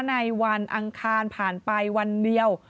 ในวันอังคารผ่านไปวันเดียว